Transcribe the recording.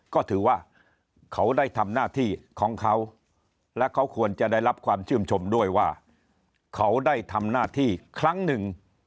ก็ถือว่าเขาได้ทำหน้าที่ของเขาและเขาควรจะได้รับความชื่นชมด้วยว่าเขาได้ทำหน้าที่ครั้งหนึ่ง